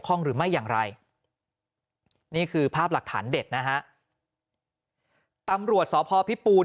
หรือไม่อย่างไรนี่คือภาพหลักฐานเด็ดนะฮะตำรวจสพพิปูน